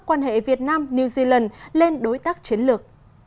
quan hệ việt nam new zealand lên đối tác chiến lược